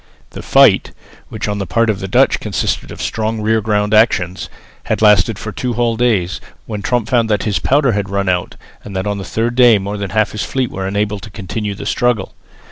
The fight, which on the part of the Dutch consisted of strong rear guard actions, had lasted for two whole days, when Tromp found that his powder had run out and that on the third day more than half his fleet were unable to continue the struggle.